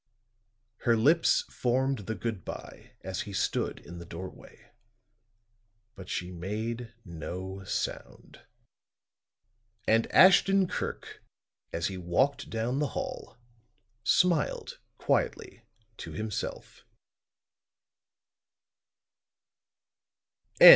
Her lips formed the good by as he stood in the doorway; but she made no sound. And Ashton Kirk as he walked down the hall, smiled quietly to himself.